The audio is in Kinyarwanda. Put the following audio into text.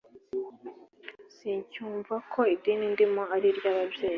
Sincyumva ko idini ndimo ari iry ababyeyi